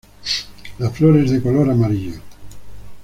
La flor es de color amarillo.